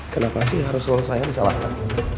kenapa sih harus selalu saya yang disalahkan